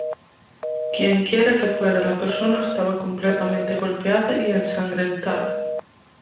Quien quiera que fuera la persona estaba completamente golpeada y ensangrentada.